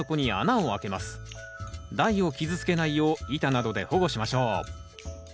台を傷つけないよう板などで保護しましょう。